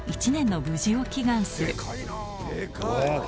１年の無事を祈願するでかい！